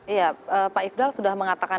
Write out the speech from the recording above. iya pak ifdal sudah mengatakan